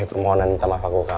yuk siap siap kerja